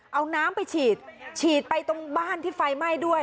เอาน้ำไปฉีดฉีดไปตรงบ้านที่ไฟไหม้ด้วย